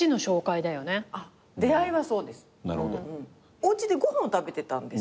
おうちでご飯を食べてたんです。